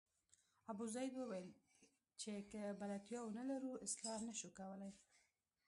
ابوزید وویل چې که بلدتیا ونه لرو اصلاح نه شو کولای.